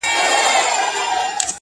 سیمهییز بازار ته هم بوتلو